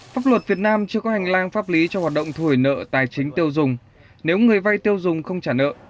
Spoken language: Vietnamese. pháp luật việt nam chưa có hành lang pháp lý cho hoạt động thùi nợ tài chính tiêu dùng nếu người vai tiêu dùng không trả nợ